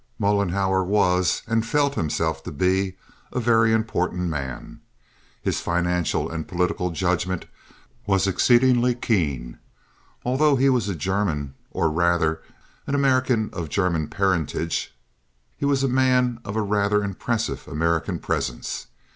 Mollenhauer was, and felt himself to be, a very important man. His financial and political judgment was exceedingly keen. Although he was a German, or rather an American of German parentage, he was a man of a rather impressive American presence.